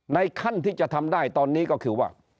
ขั้นที่จะทำได้ตอนนี้ก็คือว่า